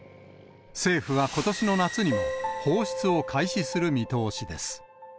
政府はことしの夏にも、放出を開始する見通しです。